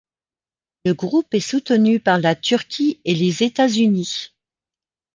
Le groupe est soutenu par la Turquie et les États-Unis.